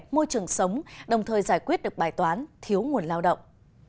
môi trường sống đồng thời giải quyết được bài toán thiếu nguồn lao động